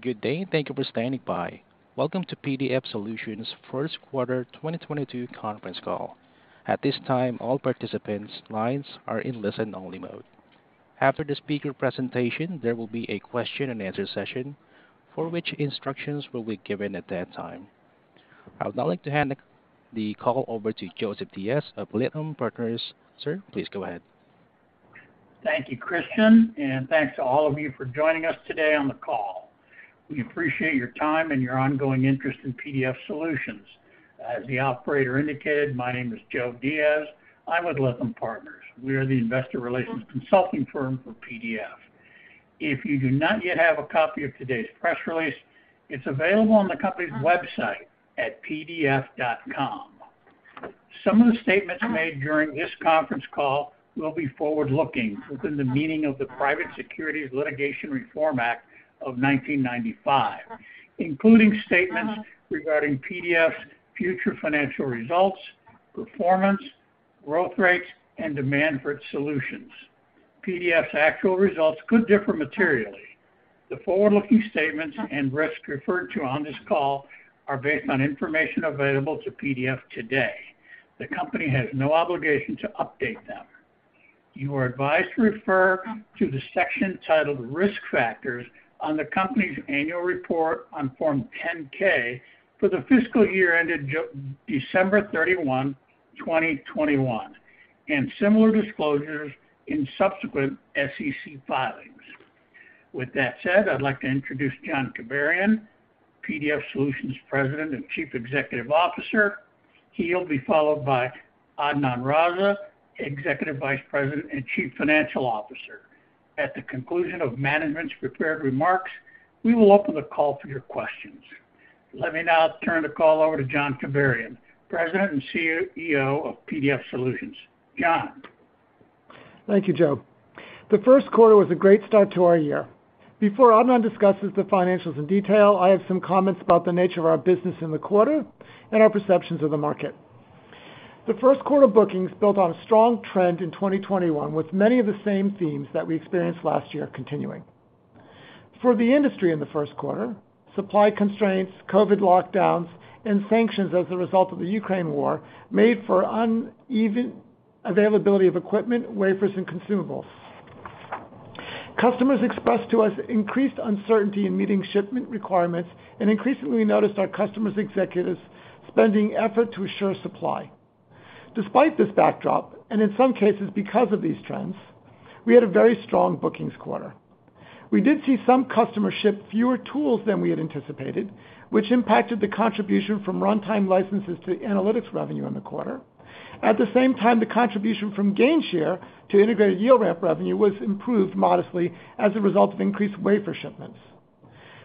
Good day, and thank you for standing by. Welcome to PDF Solutions' First Quarter 2022 Conference Call. At this time, all participants' lines are in listen-only mode. After the speaker presentation, there will be a question and answer session for which instructions will be given at that time. I would now like to hand the call over to Joe Diaz of Lytham Partners. Sir, please go ahead. Thank you, Christian, and thanks to all of you for joining us today on the call. We appreciate your time and your ongoing interest in PDF Solutions. As the operator indicated, my name is Joe Diaz. I'm with Lytham Partners. We are the investor relations consulting firm for PDF. If you do not yet have a copy of today's press release, it's available on the company's website at pdf.com. Some of the statements made during this conference call will be forward-looking within the meaning of the Private Securities Litigation Reform Act of 1995, including statements regarding PDF's future financial results, performance, growth rates, and demand for its solutions. PDF's actual results could differ materially. The forward-looking statements and risks referred to on this call are based on information available to PDF today. The company has no obligation to update them. You are advised to refer to the section titled Risk Factors on the company's annual report on Form 10-K for the fiscal year ended December 31, 2021, and similar disclosures in subsequent SEC filings. With that said, I'd like to introduce John Kibarian, PDF Solutions President and Chief Executive Officer. He'll be followed by Adnan Raza, Executive Vice President and Chief Financial Officer. At the conclusion of management's prepared remarks, we will open the call for your questions. Let me now turn the call over to John Kibarian, President and CEO of PDF Solutions. John. Thank you, Joe. The first quarter was a great start to our year. Before Adnan discusses the financials in detail, I have some comments about the nature of our business in the quarter and our perceptions of the market. The first quarter bookings built on a strong trend in 2021, with many of the same themes that we experienced last year continuing. For the industry in the first quarter, supply constraints, COVID lockdowns, and sanctions as a result of the Ukraine war made for uneven availability of equipment, wafers, and consumables. Customers expressed to us increased uncertainty in meeting shipment requirements, and increasingly we noticed our customers' executives spending effort to assure supply. Despite this backdrop, and in some cases because of these trends, we had a very strong bookings quarter. We did see some customers ship fewer tools than we had anticipated, which impacted the contribution from runtime licenses to analytics revenue in the quarter. At the same time, the contribution from gain share to integrated yield ramp revenue was improved modestly as a result of increased wafer shipments.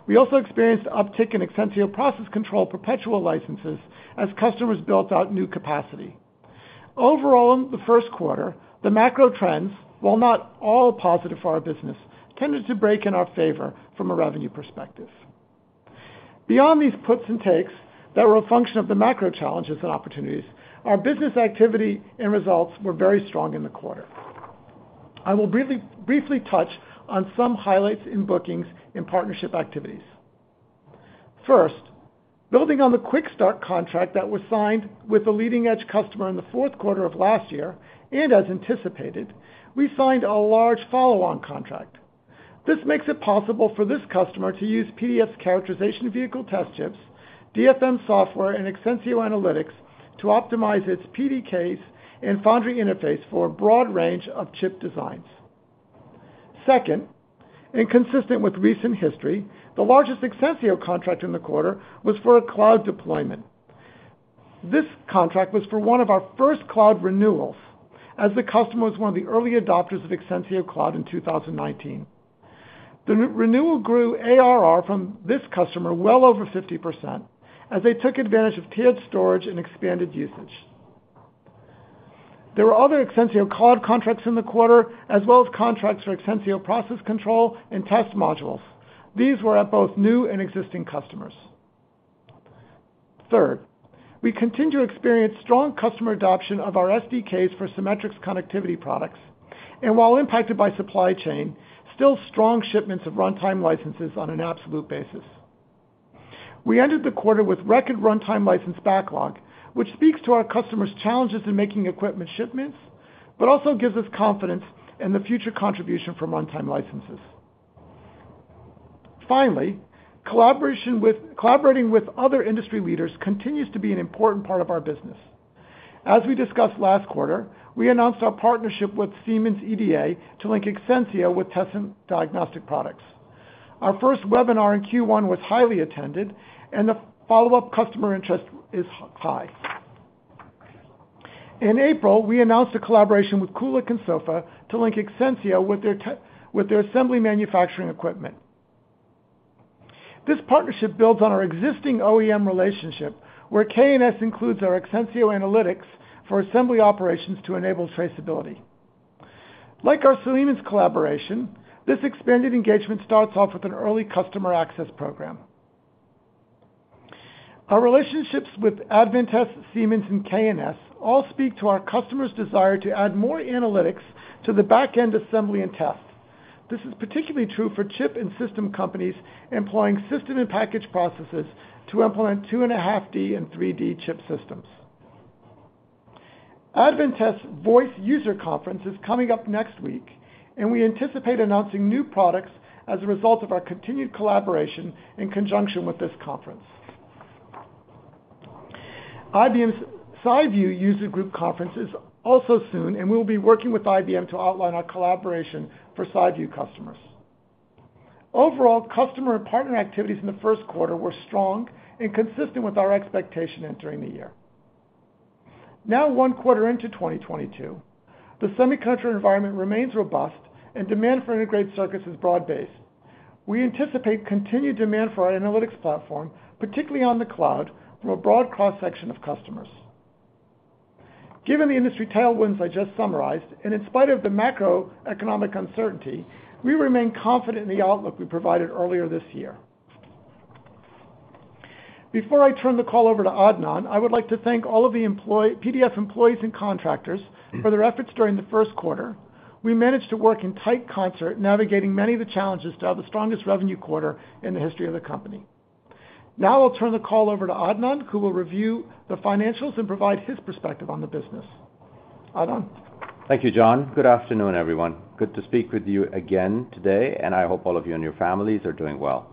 We also experienced uptick in Exensio Process Control perpetual licenses as customers built out new capacity. Overall, in the first quarter, the macro trends, while not all positive for our business, tended to break in our favor from a revenue perspective. Beyond these puts and takes that were a function of the macro challenges and opportunities, our business activity and results were very strong in the quarter. I will briefly touch on some highlights in bookings and partnership activities. First, building on the Quick Start contract that was signed with the leading-edge customer in the fourth quarter of last year, and as anticipated, we signed a large follow-on contract. This makes it possible for this customer to use PDF's Characterization Vehicle test chips, DFM software, and Exensio analytics to optimize its PDKs and foundry interface for a broad range of chip designs. Second, and consistent with recent history, the largest Exensio contract in the quarter was for a cloud deployment. This contract was for one of our first cloud renewals, as the customer was one of the early adopters of Exensio Cloud in 2019. The re-renewal grew ARR from this customer well over 50% as they took advantage of tiered storage and expanded usage. There were other Exensio Cloud contracts in the quarter, as well as contracts for Exensio Process Control and test modules. These were at both new and existing customers. Third, we continue to experience strong customer adoption of our SDKs for Symmetrics connectivity products, and while impacted by supply chain, still strong shipments of runtime licenses on an absolute basis. We ended the quarter with record runtime license backlog, which speaks to our customers' challenges in making equipment shipments but also gives us confidence in the future contribution from runtime licenses. Finally, collaborating with other industry leaders continues to be an important part of our business. As we discussed last quarter, we announced our partnership with Siemens EDA to link Exensio with test and diagnostic products. Our first webinar in Q1 was highly attended, and the follow-up customer interest is high. In April, we announced a collaboration with Kulicke & Soffa to link Exensio with their assembly manufacturing equipment. This partnership builds on our existing OEM relationship, where K&S includes our Exensio analytics for assembly operations to enable traceability. Like our Siemens collaboration, this expanded engagement starts off with an early customer access program. Our relationships with Advantest, Siemens, and K&S all speak to our customers' desire to add more analytics to the back-end assembly and test. This is particularly true for chip and system companies employing system and package processes to implement 2.5D and 3D chip systems. Advantest VOICE Developer Conference is coming up next week, and we anticipate announcing new products as a result of our continued collaboration in conjunction with this conference. IBM's SiView User Group Conference is also soon, and we'll be working with IBM to outline our collaboration for SiView customers. Overall, customer and partner activities in the first quarter were strong and consistent with our expectation entering the year. Now one quarter into 2022, the semiconductor environment remains robust and demand for integrated circuits is broad-based. We anticipate continued demand for our analytics platform, particularly on the cloud, from a broad cross-section of customers. Given the industry tailwinds I just summarized, and in spite of the macroeconomic uncertainty, we remain confident in the outlook we provided earlier this year. Before I turn the call over to Adnan, I would like to thank all of the PDF employees and contractors for their efforts during the first quarter. We managed to work in tight concert, navigating many of the challenges to have the strongest revenue quarter in the history of the company. Now I'll turn the call over to Adnan, who will review the financials and provide his perspective on the business. Adnan? Thank you, John. Good afternoon, everyone. Good to speak with you again today, and I hope all of you and your families are doing well.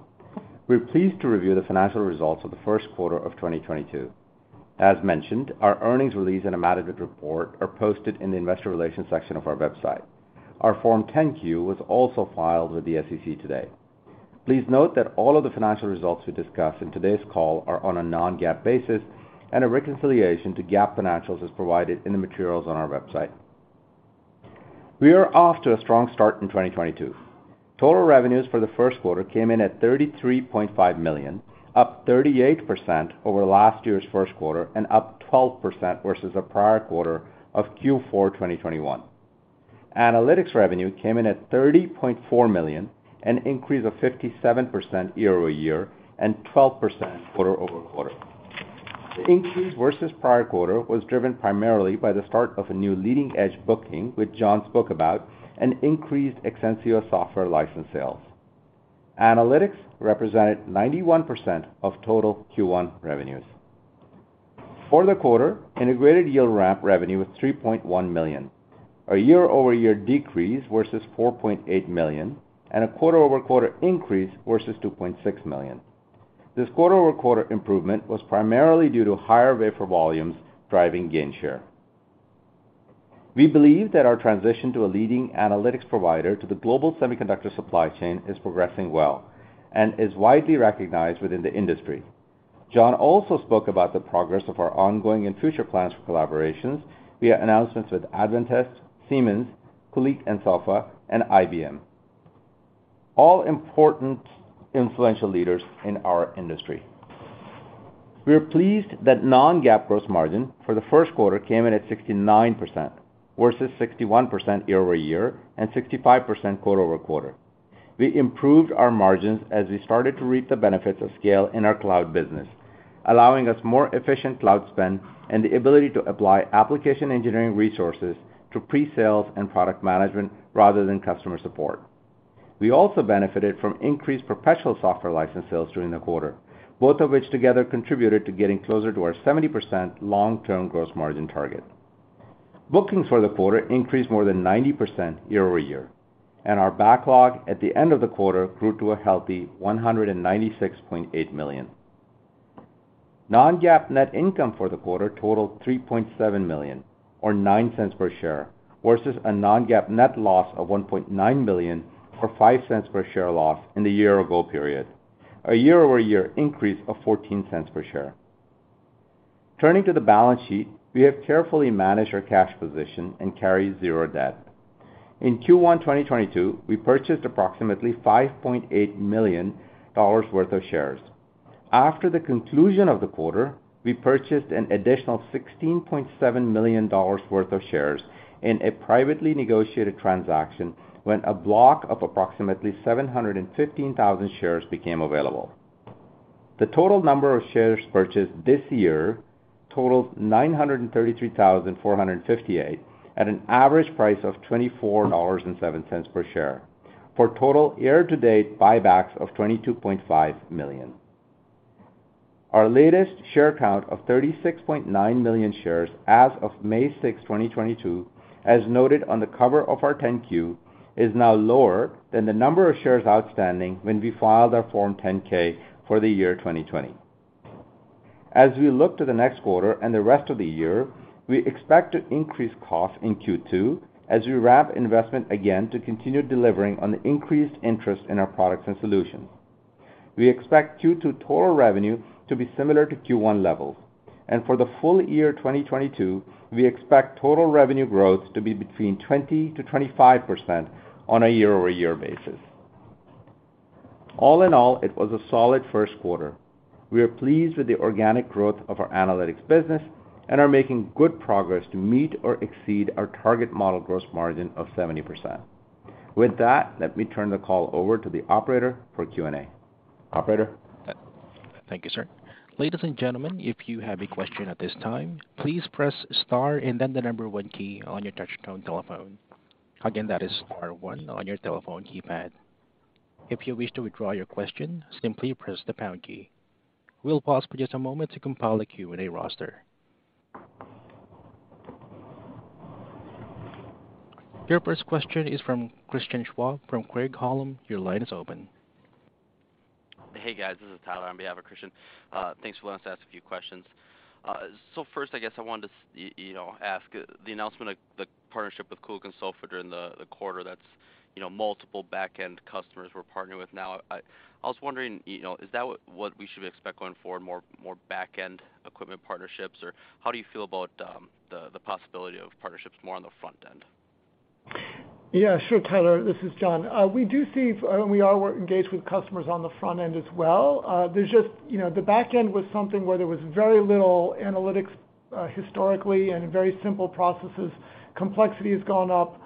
We're pleased to review the financial results of the first quarter of 2022. As mentioned, our earnings release and 8-K report are posted in the Investor Relations section of our website. Our Form 10-Q was also filed with the SEC today. Please note that all of the financial results we discuss in today's call are on a non-GAAP basis, and a reconciliation to GAAP financials is provided in the materials on our website. We are off to a strong start in 2022. Total revenues for the first quarter came in at $33.5 million, up 38% over last year's first quarter and up 12% versus the prior quarter of Q4 2021. Analytics revenue came in at $30.4 million, an increase of 57% year-over-year and 12% quarter-over-quarter. The increase versus prior quarter was driven primarily by the start of a new leading-edge booking, which John spoke about, and increased Exensio software license sales. Analytics represented 91% of total Q1 revenues. For the quarter, integrated yield ramp revenue was $3.1 million, a year-over-year decrease versus $4.8 million, and a quarter-over-quarter increase versus $2.6 million. This quarter-over-quarter improvement was primarily due to higher wafer volumes driving gain share. We believe that our transition to a leading analytics provider to the global semiconductor supply chain is progressing well and is widely recognized within the industry. John also spoke about the progress of our ongoing and future plans for collaborations via announcements with Advantest, Siemens, Kulicke & Soffa, and IBM, all important influential leaders in our industry. We are pleased that non-GAAP gross margin for the first quarter came in at 69% versus 61% year-over-year and 65% quarter-over-quarter. We improved our margins as we started to reap the benefits of scale in our cloud business, allowing us more efficient cloud spend and the ability to apply application engineering resources to pre-sales and product management rather than customer support. We also benefited from increased perpetual software license sales during the quarter, both of which together contributed to getting closer to our 70% long-term gross margin target. Bookings for the quarter increased more than 90% year-over-year, and our backlog at the end of the quarter grew to a healthy $196.8 million. Non-GAAP net income for the quarter totaled $3.7 million or $0.09 per share, versus a non-GAAP net loss of $1.9 million or $0.05 per share loss in the year-ago period, a year-over-year increase of $0.14 per share. Turning to the balance sheet, we have carefully managed our cash position and carry zero debt. In Q1 2022, we purchased approximately $5.8 million worth of shares. After the conclusion of the quarter, we purchased an additional $16.7 million worth of shares in a privately negotiated transaction when a block of approximately 715,000 shares became available. The total number of shares purchased this year totals 933,458 at an average price of $24.07 per share for total year-to-date buybacks of $22.5 million. Our latest share count of 36.9 million shares as of May 6, 2022, as noted on the cover of our 10-Q, is now lower than the number of shares outstanding when we filed our Form 10-K for the year 2020. As we look to the next quarter and the rest of the year, we expect to increase costs in Q2 as we ramp investment again to continue delivering on the increased interest in our products and solutions. We expect Q2 total revenue to be similar to Q1 levels, and for the full year 2022, we expect total revenue growth to be between 20%-25% on a year-over-year basis. All in all, it was a solid first quarter. We are pleased with the organic growth of our analytics business and are making good progress to meet or exceed our target model gross margin of 70%. With that, let me turn the call over to the operator for Q&A. Operator? Thank you, sir. Ladies and gentlemen, if you have a question at this time, please press star and then the number one key on your touchtone telephone. Again, that is star one on your telephone keypad. If you wish to withdraw your question, simply press the pound key. We'll pause for just a moment to compile a Q&A roster. Your first question is from Christian Schwab from Craig-Hallum. Your line is open. Hey, guys. This is Tyler on behalf of Christian. Thanks for letting us ask a few questions. First, I guess I wanted to ask, you know, the announcement of the partnership with Kulicke & Soffa during the quarter, that's, you know, multiple back-end customers we're partnering with now. I was wondering, you know, is that what we should expect going forward, more back-end equipment partnerships? Or how do you feel about the possibility of partnerships more on the front end? Yeah, sure, Tyler, this is John. We are engaged with customers on the front end as well. There's just, you know, the back end was something where there was very little analytics historically and very simple processes. Complexity has gone up.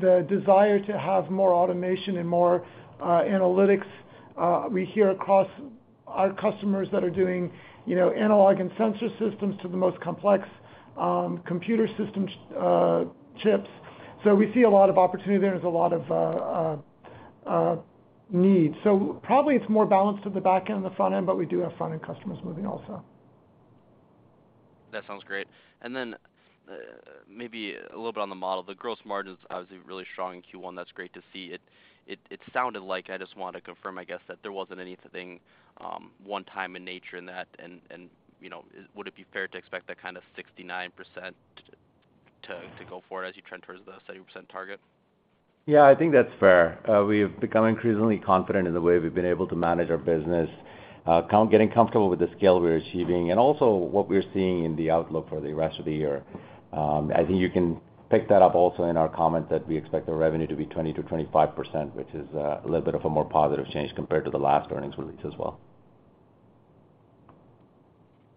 The desire to have more automation and more analytics we hear across our customers that are doing, you know, analog and sensor systems to the most complex computer systems chips. We see a lot of opportunity there. There's a lot of need. Probably it's more balanced to the back end and the front end, but we do have front-end customers moving also. That sounds great. Maybe a little bit on the model. The gross margins, obviously, really strong in Q1. That's great to see. It sounded like, I just wanted to confirm, I guess, that there wasn't anything one-time in nature in that and, you know, would it be fair to expect that kind of 69% to go forward as you trend towards the 30% target? Yeah, I think that's fair. We've become increasingly confident in the way we've been able to manage our business, getting comfortable with the scale we're achieving and also what we're seeing in the outlook for the rest of the year. I think you can pick that up also in our comment that we expect the revenue to be 20%-25%, which is, a little bit of a more positive change compared to the last earnings release as well.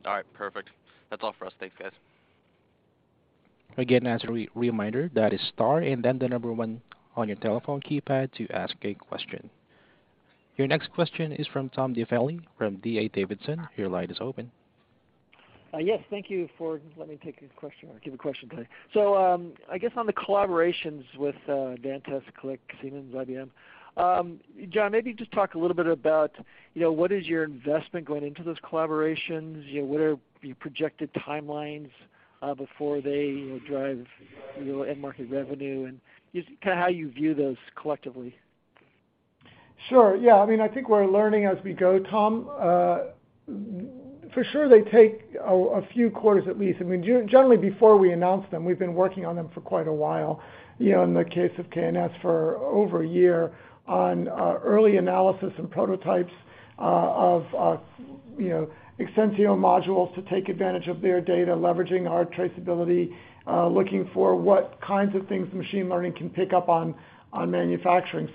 All right. Perfect. That's all for us. Thanks, guys. Again, as a reminder, that is star and then the number one on your telephone keypad to ask a question. Your next question is from Tom Diffely from D.A. Davidson. Your line is open. Yes. Thank you for letting me take a question or give a question today. I guess on the collaborations with Advantest, K&S, Siemens, IBM, John, maybe just talk a little bit about, you know, what is your investment going into those collaborations? You know, what are your projected timelines before they drive your end market revenue and just kinda how you view those collectively? Sure. Yeah. I mean, I think we're learning as we go, Tom. For sure they take a few quarters at least. I mean, generally, before we announce them, we've been working on them for quite a while. You know, in the case of K&S, for over a year on early analysis and prototypes of you know, Exensio modules to take advantage of their data, leveraging our traceability, looking for what kinds of things machine learning can pick up on manufacturing.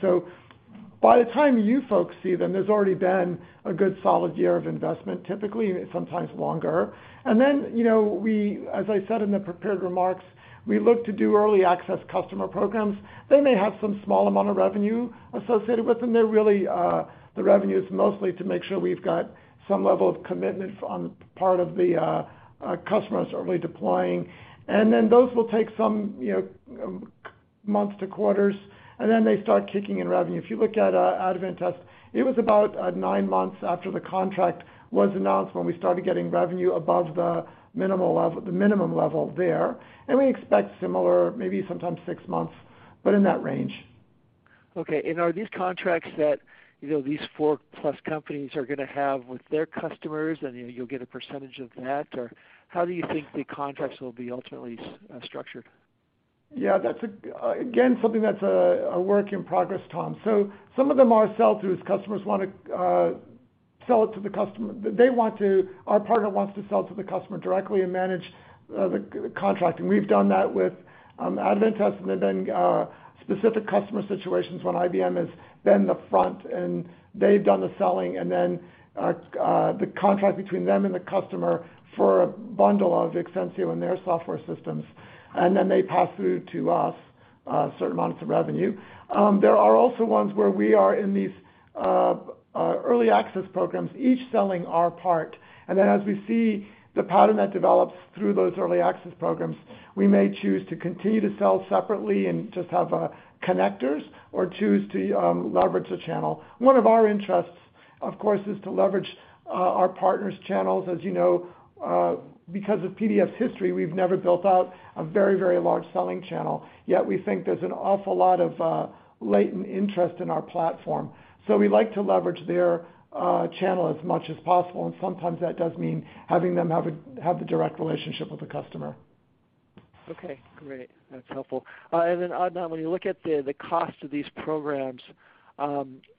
By the time you folks see them, there's already been a good solid year of investment, typically, sometimes longer. Then, you know, we, as I said in the prepared remarks, we look to do early access customer programs. They may have some small amount of revenue associated with them. There really the revenue is mostly to make sure we've got some level of commitment on the part of the customers early deploying. Then those will take some, you know, months to quarters, and then they start kicking in revenue. If you look at Advantest, it was about nine months after the contract was announced when we started getting revenue above the minimum level there. We expect similar, maybe sometimes six months, but in that range. Okay. Are these contracts that, you know, these four plus companies are gonna have with their customers, and, you know, you'll get a percentage of that? Or how do you think the contracts will be ultimately structured? Yeah, that's again something that's a work in progress, Tom. Some of them are sell-throughs. Customers wanna sell it to the customer. Our partner wants to sell to the customer directly and manage the contract. We've done that with Advantest, and then specific customer situations when IBM is then the front, and they've done the selling and then the contract between them and the customer for a bundle of Exensio and their software systems, and then they pass through to us certain amounts of revenue. There are also ones where we are in these early access programs, each selling our part. As we see the pattern that develops through those early access programs, we may choose to continue to sell separately and just have connectors or choose to leverage the channel. One of our interests, of course, is to leverage our partners channels. As you know, because of PDF's history, we've never built out a very, very large selling channel, yet we think there's an awful lot of latent interest in our platform. We like to leverage their channel as much as possible, and sometimes that does mean having them have the direct relationship with the customer. Okay, great. That's helpful. And then, Adnan, when you look at the cost of these programs,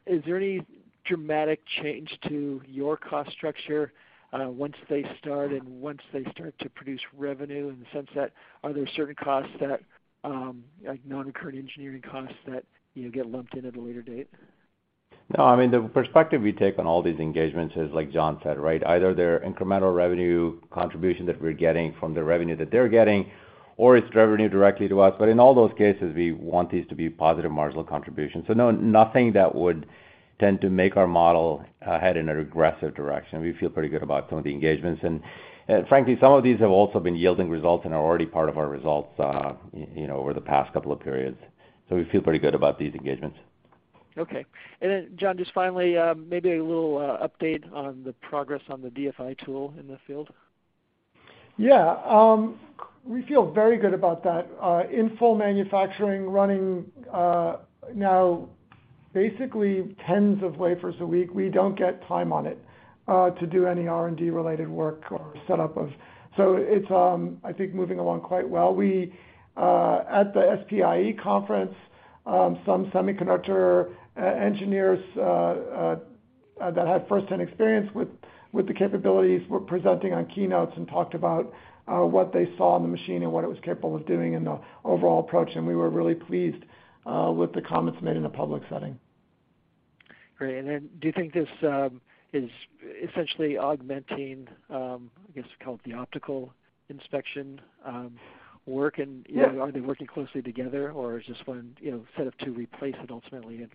is there any dramatic change to your cost structure once they start to produce revenue in the sense that are there certain costs that, like non-recurring engineering costs that, you know, get lumped in at a later date? No, I mean, the perspective we take on all these engagements is like John said, right? Either they're incremental revenue contribution that we're getting from the revenue that they're getting, or it's revenue directly to us. In all those cases, we want these to be positive marginal contributions. No, nothing that would tend to make our model head in a regressive direction. We feel pretty good about some of the engagements. Frankly, some of these have also been yielding results and are already part of our results, you know, over the past couple of periods. We feel pretty good about these engagements. Okay. John, just finally, maybe a little update on the progress on the DFI tool in the field. Yeah. We feel very good about that. In full manufacturing, running now basically tens of wafers a week. We don't get time on it to do any R&D related work. It's, I think, moving along quite well. We at the SPIE conference, some semiconductor engineers that had first-hand experience with the capabilities were presenting on keynotes and talked about what they saw in the machine and what it was capable of doing and the overall approach, and we were really pleased with the comments made in a public setting. Great. Do you think this is essentially augmenting, I guess you call it the optical inspection, work? Yeah Are they working closely together or is this one, you know, set up to replace it ultimately at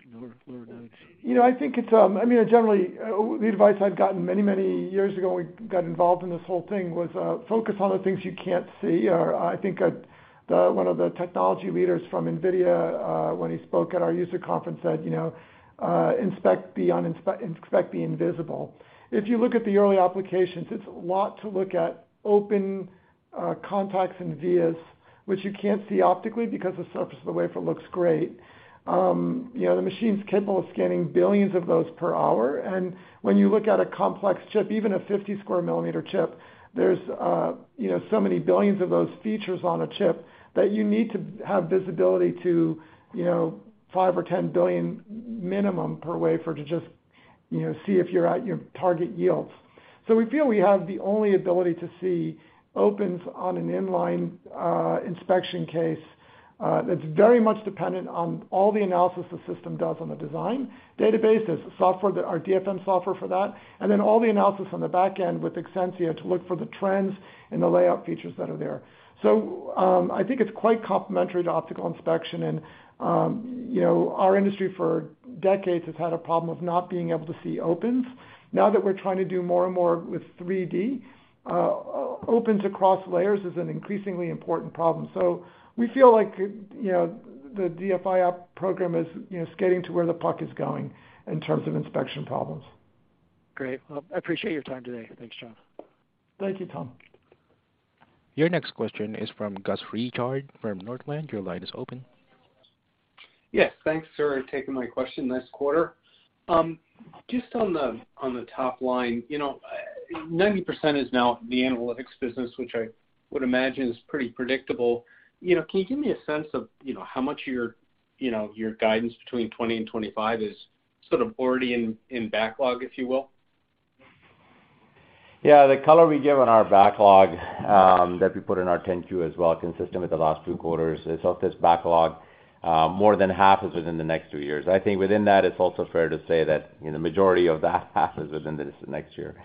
lower nodes? You know, I think it's, I mean, generally, the advice I'd gotten many, many years ago when we got involved in this whole thing was, focus on the things you can't see. I think, the one of the technology leaders from NVIDIA, when he spoke at our user conference said, you know, "Inspect the invisible." If you look at the early applications, it's a lot to look at open contacts and vias, which you can't see optically because the surface of the wafer looks great. You know, the machine's capable of scanning billions of those per hour. When you look at a complex chip, even a 50-sq-mm chip, there's you know so many billions of those features on a chip that you need to have visibility to you know 5 billion or 10 billion minimum per wafer to just you know see if you're at your target yields. We feel we have the only ability to see opens on an inline inspection case. That's very much dependent on all the analysis the system does on the design database. Our DFM software for that, and then all the analysis on the back end with Exensio to look for the trends and the layout features that are there. I think it's quite complementary to optical inspection and you know our industry for decades has had a problem of not being able to see opens. Now that we're trying to do more and more with 3D, opens across layers is an increasingly important problem. We feel like, you know, the DFI program is, you know, skating to where the puck is going in terms of inspection problems. Great. Well, I appreciate your time today. Thanks, John. Thank you, Tom. Your next question is from Gus Richard, from Northland. Your line is open. Yes, thanks for taking my question this quarter. Just on the top line, you know, 90% is now the analytics business, which I would imagine is pretty predictable. You know, can you give me a sense of, you know, how much your, you know, your guidance between 2020 and 2025 is sort of already in backlog, if you will? Yeah. The color we give on our backlog, that we put in our 10-Q as well, consistent with the last two quarters, is of this backlog, more than half is within the next two years. I think within that, it's also fair to say that, you know, majority of that half is within this next year.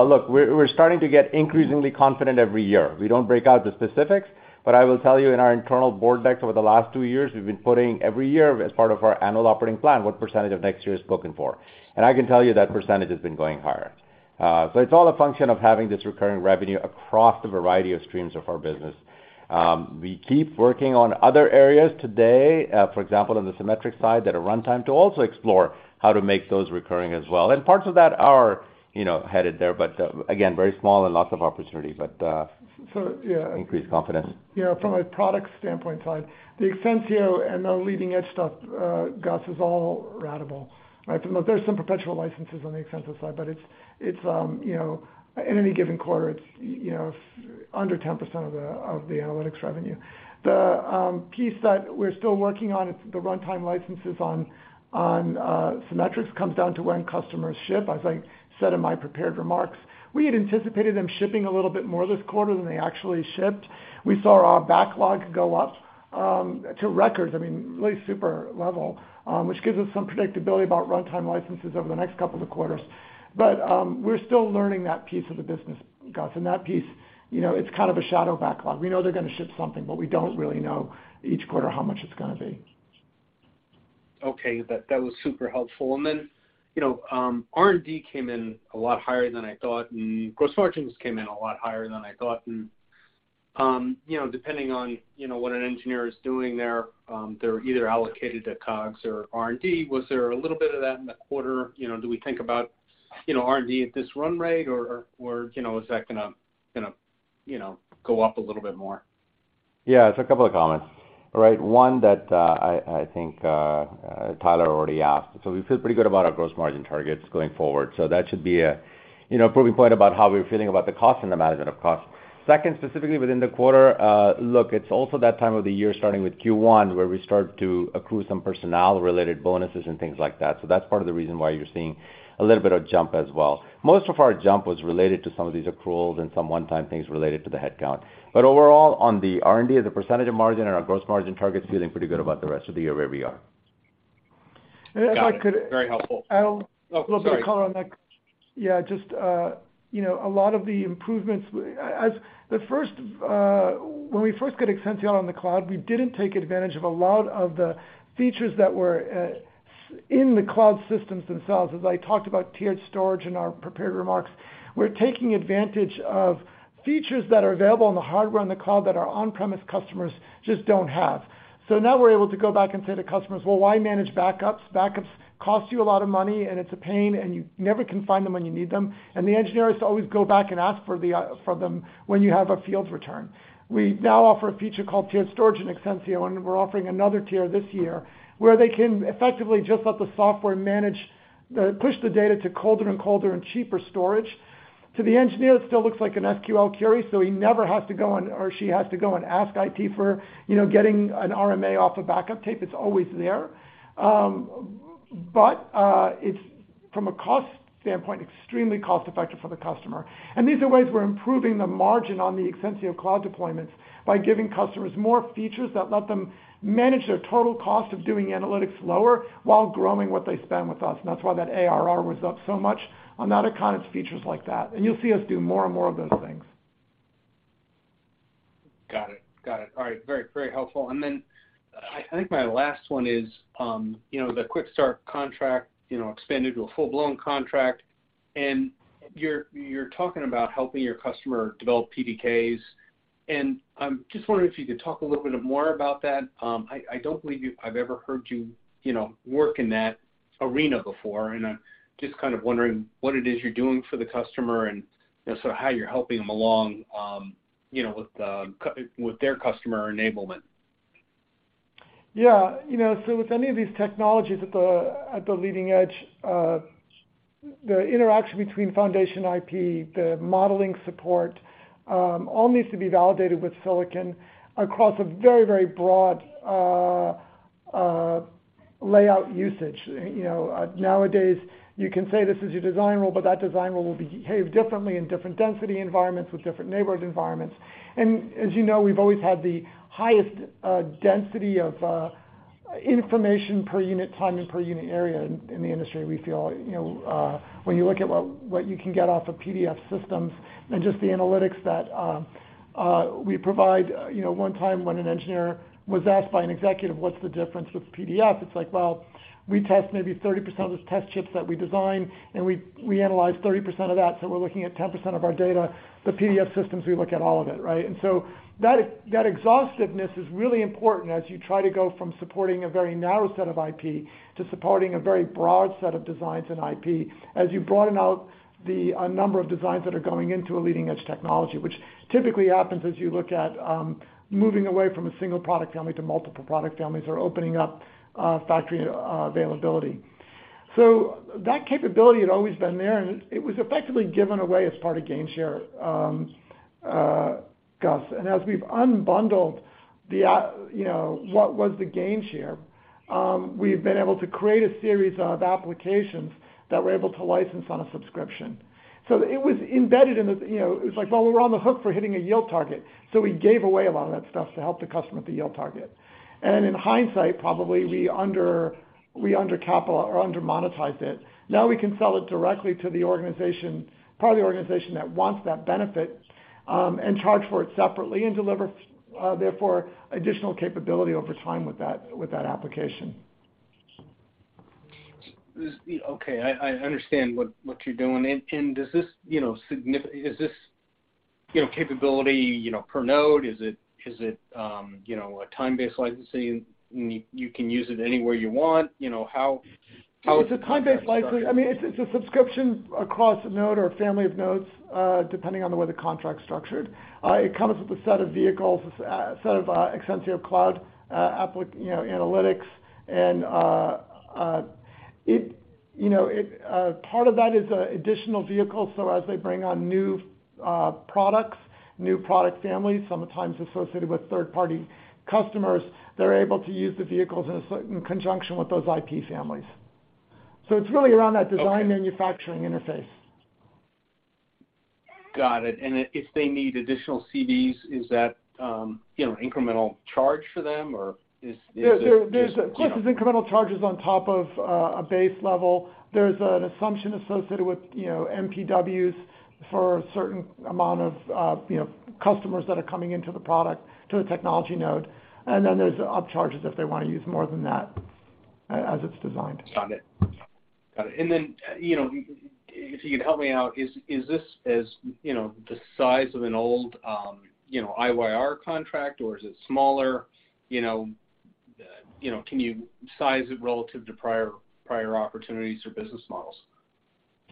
Look, we're starting to get increasingly confident every year. We don't break out the specifics, but I will tell you in our internal board deck over the last two years, we've been putting every year as part of our annual operating plan, what percentage of next year is spoken for. I can tell you that percentage has been going higher. It's all a function of having this recurring revenue across the variety of streams of our business. We keep working on other areas today, for example, on the Symmetrics side that are runtime, to also explore how to make those recurring as well. Parts of that are, you know, headed there. Again, very small and lots of opportunity, but- Yeah. Increased confidence. Yeah, from a product standpoint side, the Exensio and the leading-edge stuff, Gus, is all ratable, right? There's some perpetual licenses on the Exensio side, but it's, you know, in any given quarter, it's, you know, under 10% of the, of the analytics revenue. The piece that we're still working on, it's the runtime licenses on, Symmetrics, comes down to when customers ship. As I said in my prepared remarks, we had anticipated them shipping a little bit more this quarter than they actually shipped. We saw our backlog go up, to records, I mean, really super level, which gives us some predictability about runtime licenses over the next couple of quarters. We're still learning that piece of the business, Gus, and that piece, you know, it's kind of a shadow backlog. We know they're gonna ship something, but we don't really know each quarter how much it's gonna be. Okay. That was super helpful. You know, R&D came in a lot higher than I thought, and gross margins came in a lot higher than I thought. You know, depending on, you know, what an engineer is doing there, they're either allocated to COGS or R&D. Was there a little bit of that in the quarter? You know, do we think about, you know, R&D at this run rate or, you know, is that gonna go up a little bit more? Yeah. It's a couple of comments. All right, one that I think Tyler already asked. We feel pretty good about our gross margin targets going forward. That should be a, you know, proving point about how we're feeling about the cost and the management of cost. Second, specifically within the quarter, look, it's also that time of the year, starting with Q1, where we start to accrue some personnel-related bonuses and things like that. That's part of the reason why you're seeing a little bit of jump as well. Most of our jump was related to some of these accruals and some one-time things related to the headcount. Overall, on the R&D, as a percentage of margin and our gross margin targets, feeling pretty good about the rest of the year where we are. And if I could- Got it. Very helpful. I'll- Oh, sorry. A little bit of color on that. Yeah, just, you know, a lot of the improvements was the first, when we first got Exensio on the cloud, we didn't take advantage of a lot of the features that were in the cloud systems themselves. As I talked about tiered storage in our prepared remarks, we're taking advantage of features that are available on the hardware on the cloud that our on-premise customers just don't have. So now we're able to go back and say to customers, "Well, why manage backups? Backups cost you a lot of money, and it's a pain, and you never can find them when you need them. The engineers always go back and ask for them when you have a field return. We now offer a feature called tiered storage in Exensio, and we're offering another tier this year, where they can effectively just let the software manage, push the data to colder and colder and cheaper storage. To the engineer, it still looks like an SQL query, so he or she never has to go and ask IT for, you know, getting an RMA off a backup tape. It's always there. But it's from a cost standpoint, extremely cost-effective for the customer. These are ways we're improving the margin on the Exensio cloud deployments by giving customers more features that let them manage their total cost of doing analytics lower while growing what they spend with us. That's why that ARR was up so much on that account. It's features like that. You'll see us do more and more of those things. Got it. All right. Very, very helpful. I think my last one is, you know, the Quick Start contract, you know, expanded to a full-blown contract. You're talking about helping your customer develop PDKs. I'm just wondering if you could talk a little bit more about that. I don't believe I've ever heard you know, work in that arena before, and I'm just kind of wondering what it is you're doing for the customer and, you know, so how you're helping them along, you know, with their customer enablement. Yeah. You know, so with any of these technologies at the leading edge, the interaction between foundation IP, the modeling support, all needs to be validated with silicon across a very, very broad layout usage. You know, nowadays, you can say this is your design rule, but that design rule will behave differently in different density environments with different neighborhood environments. As you know, we've always had the highest density of information per unit time and per unit area in the industry. We feel, you know, when you look at what you can get off of PDF Solutions and just the analytics that we provide. You know, one time when an engineer was asked by an executive, "What's the difference with PDF?" It's like, well, we test maybe 30% of the test chips that we design, and we analyze 30% of that, so we're looking at 10% of our data. The PDF systems, we look at all of it, right? That exhaustiveness is really important as you try to go from supporting a very narrow set of IP to supporting a very broad set of designs in IP as you broaden out a number of designs that are going into a leading-edge technology, which typically happens as you look at moving away from a single product family to multiple product families or opening up factory availability. That capability had always been there, and it was effectively given away as part of gainshare, Gus. As we've unbundled, you know, what was the gainshare, we've been able to create a series of applications that we're able to license on a subscription. It was embedded in the you know, it's like, well, we're on the hook for hitting a yield target. We gave away a lot of that stuff to help the customer with the yield target. In hindsight, probably, we undercapitalized or undermonetized it. Now we can sell it directly to the organization, part of the organization that wants that benefit, and charge for it separately and deliver, therefore, additional capability over time with that application. Okay. I understand what you're doing. Does this, you know, signify, is this, you know, capability, you know, per node? Is it, you know, a time-based licensing, and you can use it any way you want? You know, how is that construction? It's a time-based license. I mean, it's a subscription across a node or a family of nodes, depending on the way the contract's structured. It comes with a set of vehicles, a set of Exensio Cloud, you know, analytics and, it, you know, it, part of that is additional vehicles. As they bring on new products, new product families, sometimes associated with third-party customers, they're able to use the vehicles in conjunction with those IP families. It's really around that design manufacturing interface. Got it. If they need additional CVs, is that, you know, incremental charge for them, or is it just, you know- Yeah. Of course, there's incremental charges on top of a base level. There's an assumption associated with, you know, MPWs for a certain amount of, you know, customers that are coming into the product, to a technology node. There's upcharges if they wanna use more than that as it's designed. Got it. If you could help me out, is this the size of an old IYR contract, or is it smaller? You know, can you size it relative to prior opportunities or business models?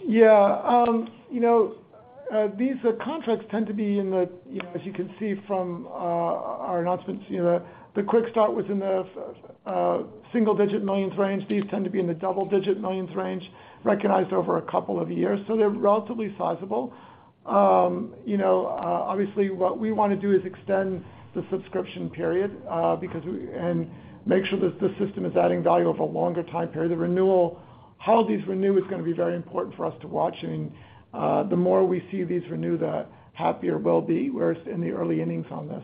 Yeah. You know, these contracts tend to be in the. You know, as you can see from our announcements, you know, the Quick Start was in the single-digit millions dollar range. These tend to be in the double-digit millions dollar range, recognized over a couple of years, so they're relatively sizable. You know, obviously, what we wanna do is extend the subscription period and make sure that the system is adding value over a longer time period. The renewal, how these renew is gonna be very important for us to watch. I mean, the more we see these renew, the happier we'll be. We're in the early innings on this.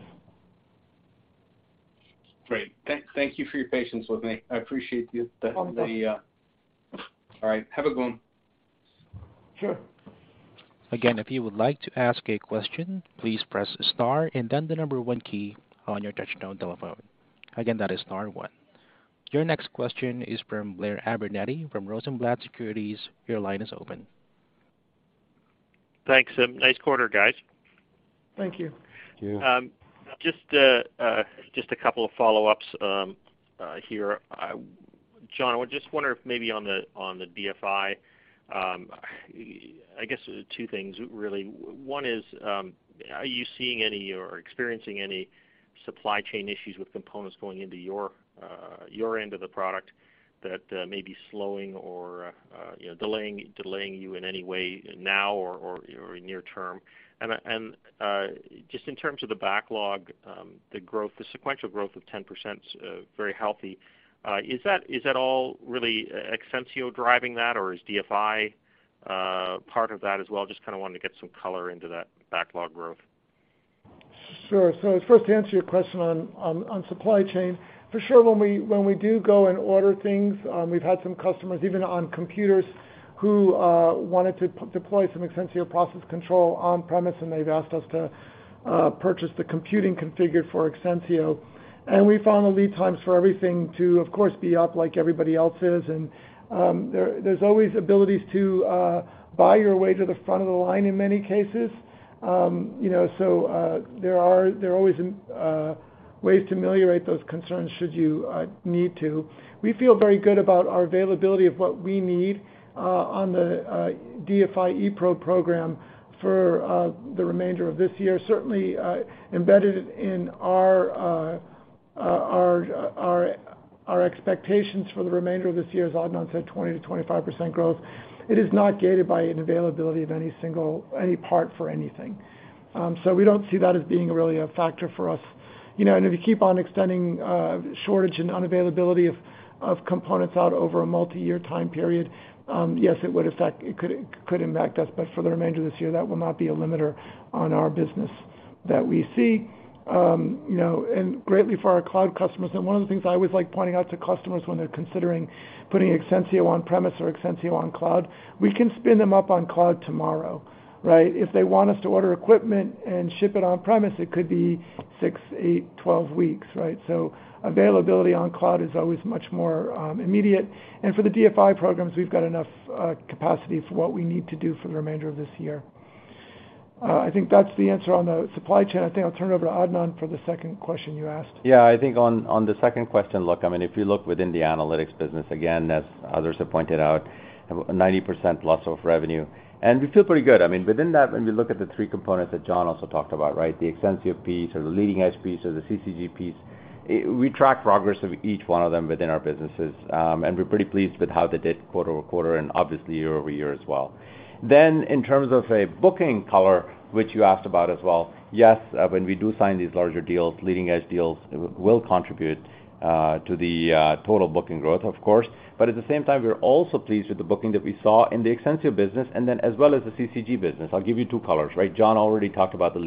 Great. Thank you for your patience with me. I appreciate you. No problem. All right, have a good one. Sure. Again, if you would like to ask a question, please press star and then the number one key on your touchtone telephone. Again, that is star one. Your next question is from Blair Abernethy from Rosenblatt Securities. Your line is open. Thanks, nice quarter, guys. Thank you. Thank you. Just a couple of follow-ups here. John, I just wonder if maybe on the DFI, I guess two things really. One is, are you seeing any or experiencing any supply chain issues with components going into your end of the product that may be slowing or you know, delaying you in any way now or in near term? Just in terms of the backlog, the growth, the sequential growth of 10% is very healthy. Is that all really Exensio driving that or is DFI part of that as well? Just kinda wanted to get some color into that backlog growth. Sure. First, to answer your question on supply chain. For sure, when we do go and order things, we've had some customers, even on computers, who wanted to deploy some Exensio Process Control on-premise, and they've asked us to purchase the computing configured for Exensio. We found the lead times for everything to, of course, be up like everybody else's. There's always abilities to buy your way to the front of the line in many cases. You know, there are always ways to ameliorate those concerns should you need to. We feel very good about our availability of what we need on the DFI ePro program for the remainder of this year. Certainly, embedded in our expectations for the remainder of this year, as Adnan said, 20%-25% growth. It is not gated by an availability of any single part for anything. We don't see that as being really a factor for us. You know, if you keep on extending shortage and unavailability of components out over a multi-year time period, yes, it would affect, it could impact us. For the remainder of this year, that will not be a limiter on our business that we see. You know, greatly for our cloud customers, and one of the things I always like pointing out to customers when they're considering putting Exensio on-premise or Exensio on cloud, we can spin them up on cloud tomorrow, right? If they want us to order equipment and ship it on-premise, it could be six, eight, 12 weeks, right? Availability on cloud is always much more immediate. For the DFI programs, we've got enough capacity for what we need to do for the remainder of this year. I think that's the answer on the supply chain. I think I'll turn it over to Adnan for the second question you asked. Yeah. I think on the second question, look, I mean, if you look within the analytics business, again, as others have pointed out, 90%+ of revenue. We feel pretty good. I mean, within that, when we look at the three components that John also talked about, right? The Exensio piece or the leading-edge piece or the CCG piece, we track progress of each one of them within our businesses. We're pretty pleased with how they did quarter-over-quarter and obviously year-over-year as well. In terms of a booking color, which you asked about as well, yes, when we do sign these larger deals, leading-edge deals will contribute to the total booking growth, of course. At the same time, we're also pleased with the booking that we saw in the Exensio business and then as well as the CCG business. I'll give you two colors, right? John already talked about the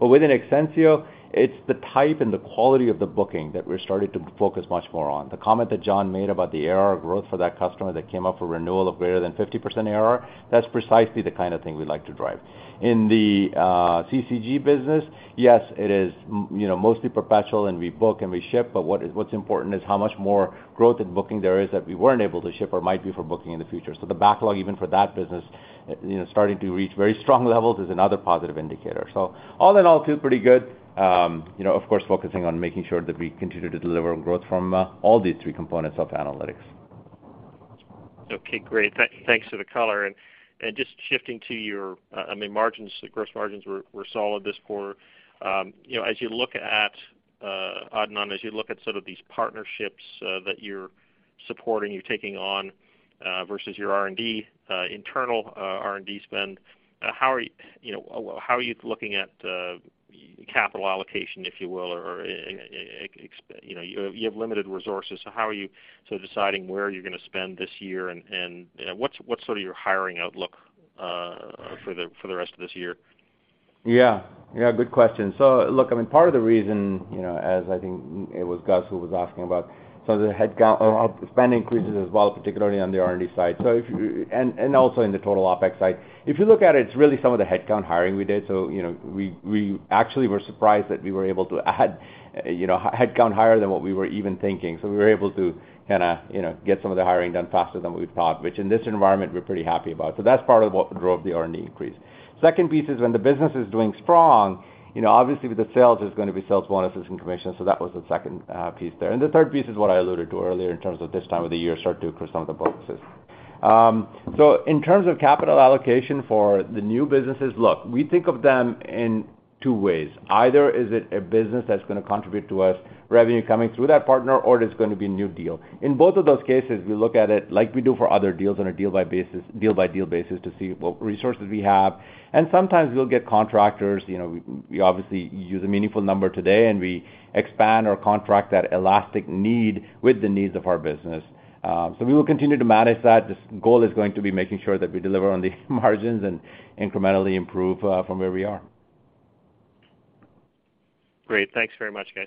leading-edge. Within Exensio, it's the type and the quality of the booking that we're starting to focus much more on. The comment that John made about the ARR growth for that customer that came up for renewal of greater than 50% ARR, that's precisely the kind of thing we like to drive. In the CCG business, yes, it is, you know, mostly perpetual, and we book and we ship, but what's important is how much more growth in booking there is that we weren't able to ship or might be for booking in the future. The backlog, even for that business, you know, starting to reach very strong levels is another positive indicator. All in all, feel pretty good. You know, of course, focusing on making sure that we continue to deliver growth from all these three components of analytics. Okay, great. Thanks for the color. Just shifting to your, I mean, margins, gross margins were solid this quarter. You know, as you look at, Adnan, as you look at sort of these partnerships that you're supporting, you're taking on, versus your R&D, internal, R&D spend, you know, how are you looking at, capital allocation, if you will, or, you know, you have limited resources, so how are you sort of deciding where you're gonna spend this year and, you know, what's sort of your hiring outlook, for the rest of this year? Yeah. Yeah, good question. Look, I mean, part of the reason, you know, as I think it was Gus who was asking about some of the headcount or spend increases as well, particularly on the R&D side, and also in the total OpEx side. If you look at it's really some of the headcount hiring we did. You know, we actually were surprised that we were able to add, you know, headcount higher than what we were even thinking. We were able to kinda, you know, get some of the hiring done faster than we thought, which in this environment we're pretty happy about. That's part of what drove the R&D increase. Second piece is when the business is doing strong, you know, obviously with the sales, there's gonna be sales bonuses and commissions. That was the second piece there. The third piece is what I alluded to earlier in terms of this time of the year start to accrue some of the bonuses. In terms of capital allocation for the new businesses, look, we think of them in two ways. Either is it a business that's gonna contribute to us, revenue coming through that partner, or it is gonna be new deal. In both of those cases, we look at it like we do for other deals on a deal by deal basis to see what resources we have. Sometimes we'll get contractors. We obviously use a meaningful number today, and we expand or contract that elastic need with the needs of our business. We will continue to manage that. The goal is going to be making sure that we deliver on the margins and incrementally improve, from where we are. Great. Thanks very much, guys.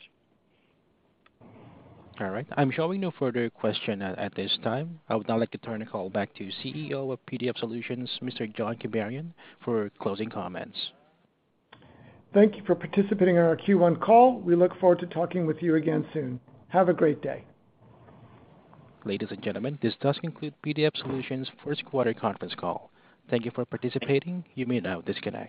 All right. I'm showing no further question at this time. I would now like to turn the call back to CEO of PDF Solutions, Mr. John Kibarian, for closing comments. Thank you for participating in our Q1 call. We look forward to talking with you again soon. Have a great day. Ladies and gentlemen, this does conclude PDF Solutions' first quarter conference call. Thank you for participating. You may now disconnect.